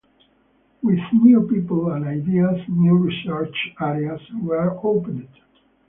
With new people and ideas new research areas were opened.